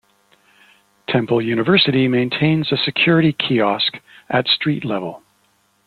Temple University maintains a security kiosk at street level.